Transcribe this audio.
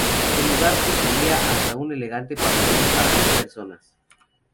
El lugar poseía hasta un elegante pabellón para mil personas.